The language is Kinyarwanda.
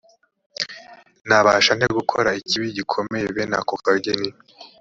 nabasha nte gukora ikibi gikomeye bene ako kageni‽